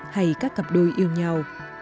hay các cặp đôi yêu nhau